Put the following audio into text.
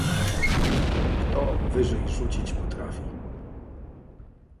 "Kto wyżej rzucić potrafi?"